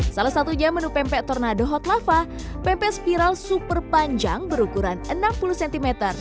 salah satu aja menu pempek tornado hot lava pempek spiral super panjang berukuran enam puluh cm